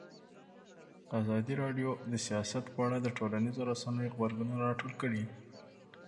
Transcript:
ازادي راډیو د سیاست په اړه د ټولنیزو رسنیو غبرګونونه راټول کړي.